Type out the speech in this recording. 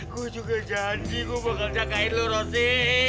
gua juga janji gua bakal jagain lu rosie